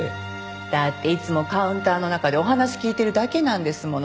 だっていつもカウンターの中でお話聞いてるだけなんですもの。